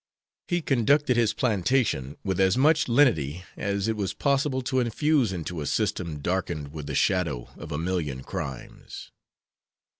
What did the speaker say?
He conducted his plantation with as much lenity as it was possible to infuse into a system darkened with the shadow of a million crimes.